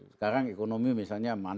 sekarang ekonomi misalnya mana